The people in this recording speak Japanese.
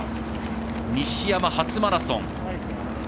西山、初マラソン。